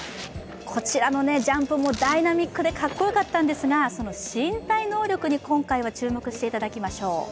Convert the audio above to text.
こちらのジャンプもダイナミックでかっこよかったんですが、その身体能力に今回は注目していただきましょう。